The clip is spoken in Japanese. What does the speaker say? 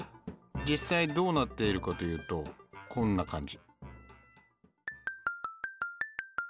実際どうなっているかというとこんな感じ。